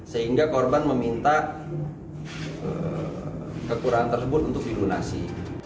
sehingga korban meminta kekurangan tersebut untuk dilunasi